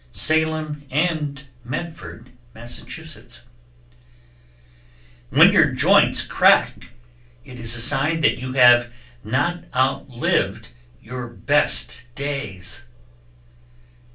Salem and Medford, Mass. 1300. When your joints crack, it is a sign that you have not outlived your best days.